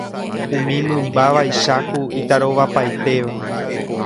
Umi mymba vaicháku itarovapaitéva.